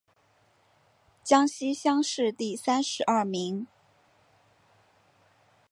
江西乡试第三十二名。